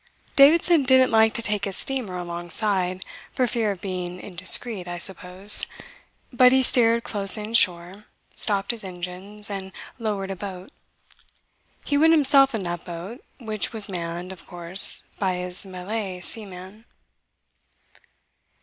Davidson didn't like to take his steamer alongside for fear of being indiscreet, I suppose; but he steered close inshore, stopped his engines, and lowered a boat. He went himself in that boat, which was manned, of course, by his Malay seamen.